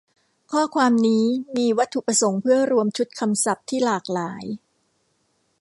ข้อความนี้มีวัตถุประสงค์เพื่อรวมชุดคำศัพท์ที่หลากหลาย